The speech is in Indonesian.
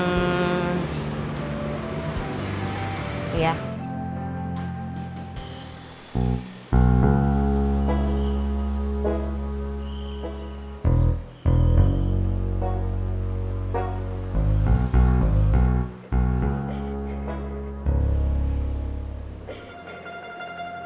aku juga mau makan